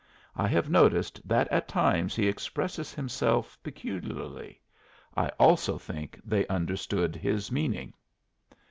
I have noticed that at times he expresses himself peculiarly. I also think they understood his meaning."